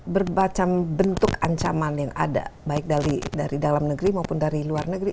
berbacam bentuk ancaman yang ada baik dari dalam negeri maupun dari luar negeri